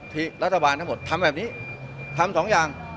ที่รัฐบาลทั้งหมดทำแบบนี้ทำสองอย่าง